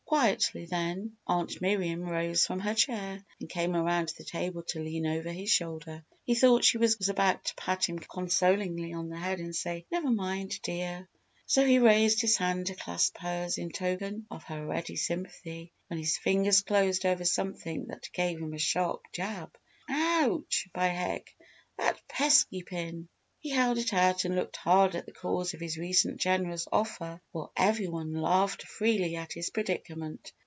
Quietly then, Aunt Miriam rose from her chair and came around the table to lean over his shoulder. He thought she was about to pat him consolingly on the head and say, "Never mind, dear." So he raised his hand to clasp hers in token of her ready sympathy when his fingers closed over something that gave him a sharp jab. "Ouch by heck! That pesky pin!" He held it out and looked hard at the cause of his recent generous offer while every one laughed freely at his predicament.